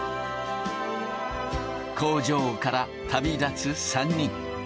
工場から旅立つ３人。